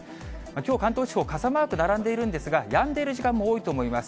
きょう、関東地方、傘マーク並んでいるんですが、やんでいる時間も多いと思います。